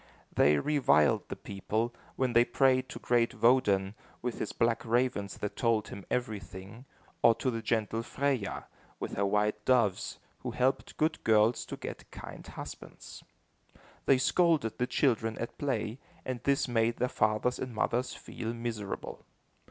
They reviled the people, when they prayed to great Woden, with his black ravens that told him everything, or to the gentle Freya, with her white doves, who helped good girls to get kind husbands. They scolded the children at play, and this made their fathers and mothers feel miserable.